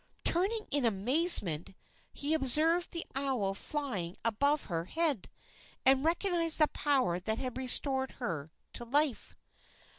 Turning in amazement, he observed the owl flying above her head, and recognized the power that had restored her to life.